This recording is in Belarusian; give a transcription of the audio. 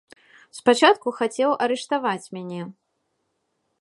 Спачатку хацеў арыштаваць мяне.